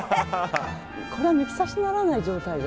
これは抜き差しならない状態だ。